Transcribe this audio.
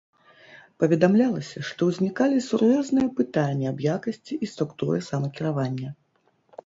Паведамлялася, што ўзнікалі сур'ёзныя пытанні аб якасці і структуры самакіравання.